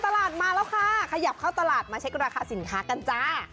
ตลาดมาแล้วค่ะขยับเข้าตลาดมาเช็คราคาสินค้ากันจ้า